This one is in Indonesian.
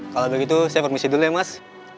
kalau begitu saya permisi dulu ya mas